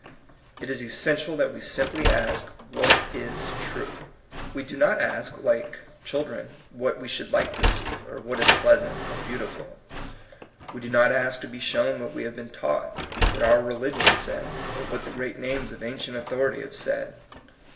It is essen tial that we simply ask, What is true? We do not ask, like children, what we should like to see, or what is pleasant, or beautiful. We do not ask to be shown what we have been taught, what our re ligion says, or what the great names of ancient authority have said.